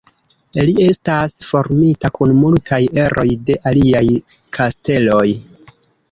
Li estas formita kun multaj eroj de aliaj kasteloj.